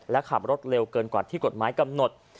และขับรถเร็วเกินกว่าที่กฎหมายกำหนด